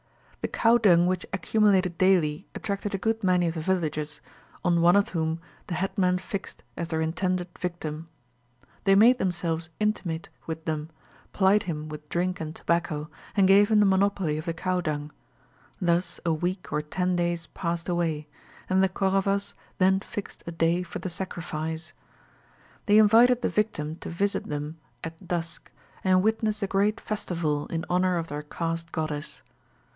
The cow dung which accumulated daily attracted a good many of the villagers, on one of whom the headman fixed as their intended victim. They made themselves intimate with him, plied him with drink and tobacco, and gave him the monopoly of the cow dung. Thus a week or ten days passed away, and the Koravas then fixed a day for the sacrifice. They invited the victim to visit them at dusk, and witness a great festival in honour of their caste goddess.